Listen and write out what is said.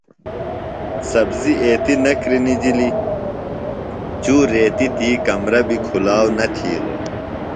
سبزیۡ ایتیۡ نہ کِرنِجِلیۡ۔ چُور ریتیۡ تی کمرہ بیۡ کُھلاؤ نہ تِھیلوۡ۔